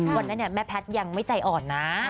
วันนั้นแม่แพทย์ยังไม่ใจอ่อนนะ